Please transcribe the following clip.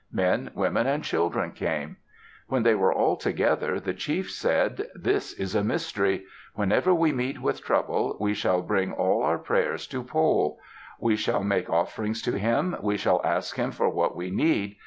Men, women, and children came. When they were all together, the chiefs said, "This is a mystery. Whenever we meet with trouble, we shall bring all our prayers to Pole. We shall make offerings to him. We shall ask him for what we need.